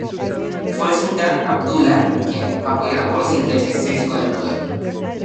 Fue el Sultán Abdullah quien apoyado por los ingleses se hizo con el poder.